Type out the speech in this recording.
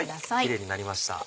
キレイになりました。